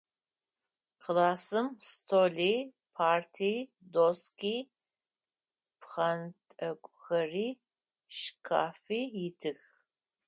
Классым столи, парти, доски, пхъэнтӏэкӏухэри, шкафи итых.